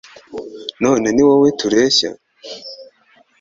None ni wowe tureshya